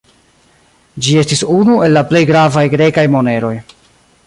Ĝi estis unu el la plej gravaj grekaj moneroj.